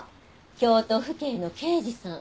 京都府警の刑事さん。